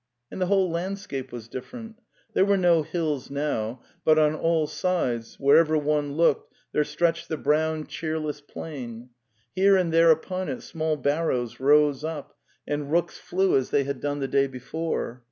... And the whole landscape was different. 'There were no hills now, but on all sides, wherever one looked, there stretched the brown cheerless plain; here and there upon it small barrows rose up and rooks flew as they had done the day before.